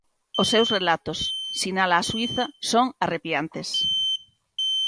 Os seus relatos, sinala a xuíza, son arrepiantes.